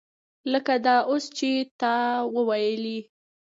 لکه دا اوس چې تا وویلې.